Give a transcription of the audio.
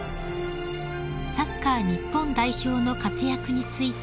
［サッカー日本代表の活躍について］